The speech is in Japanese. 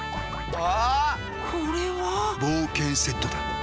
あ！